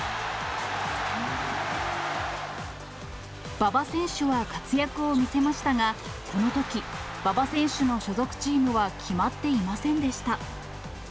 馬場選手は活躍を見せましたが、このとき、馬場選手の所属チームは決まっていませんでした。